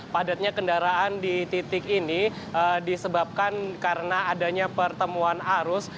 padatnya kendaraan di titik ini disebabkan karena adanya pertemuan arus